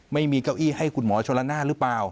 ไม่มีเก้าอี้ให้คุณหมอชนละนานหรือเปล่า